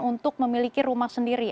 untuk memiliki rumah sendiri